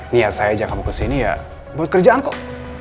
niat saya ajak kamu ke sini ya buat kerjaan kok